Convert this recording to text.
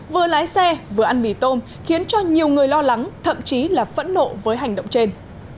vừa lái xe vừa ăn mì tôm khiến cho nhiều người lo lắng thậm chí là phẫn nộ với hành động trên